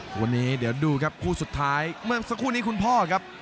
วันนี้เดี๋ยวดูครับคู่สุดท้ายเมื่อสักครู่นี้คุณพ่อครับ